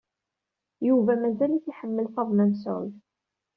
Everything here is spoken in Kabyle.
Yuba mazal-it iḥemmel Faḍma Mesɛud.